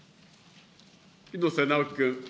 猪瀬直樹君。